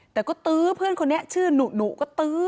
แต่ก็ตื้อเพื่อนคนนี้ชื่อหนูก็ตื้อ